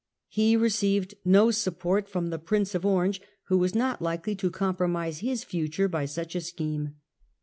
He received no support from the Prince of Orange, who was not likely to compromise his future by such a scheme.